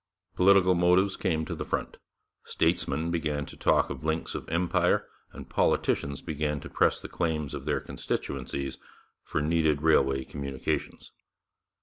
Political motives came to the front: 'statesmen' began to talk of links of Empire and 'politicians' began to press the claims of their constituencies for needed railway communications.